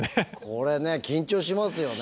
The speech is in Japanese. これね緊張しますよね。